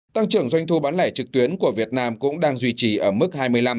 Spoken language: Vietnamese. tăng trưởng doanh thu bán lẻ trực tuyến của việt nam cũng đang duy trì ở mức hai mươi năm